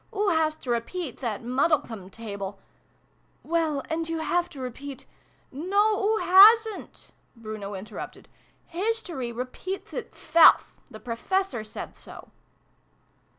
" Oo has to repeat that Muddlecome table "" Well, and you have to repeat " No, oo hasn't !" Bruno interrupted. " His tory repeats itself. The Professor said so